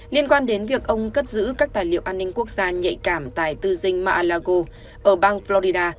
liên quan đến việc ông cất giữ các tài liệu an ninh quốc gia nhạy cảm tại tư dinh malago ở bang florida